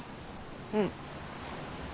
うん。